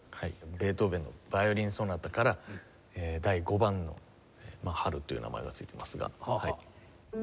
ベートーヴェンのヴァイオリン・ソナタから第５番の『春』という名前がついてますがはい。